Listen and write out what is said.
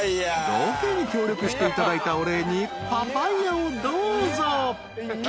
［ロケに協力していただいたお礼にパパイアをどうぞ］